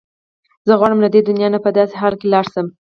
زه غواړم له دې دنیا نه په داسې حال کې لاړه شم.